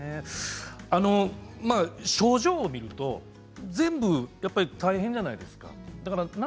症状を見ると全部やっぱり大変じゃないですか。